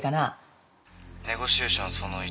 「ネゴシエーションその１。